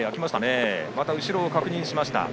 また後ろを確認しました。